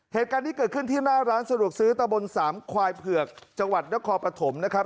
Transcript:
เหตุการณ์นี้เกิดขึ้นที่หน้าร้านสะดวกซื้อตะบนสามควายเผือกจังหวัดนครปฐมนะครับ